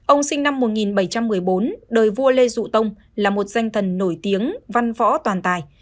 ông sinh năm một nghìn bảy trăm một mươi bốn đời vua lê dụ tông là một danh thần nổi tiếng văn võ toàn tài